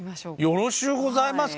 よろしゅうございますか？